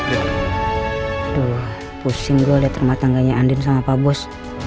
aduh pusing gue lihat rumah tangganya andin sama pak bus